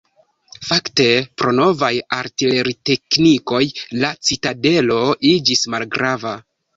Fakte pro novaj artileriteknikoj la citadelo iĝis malgrava.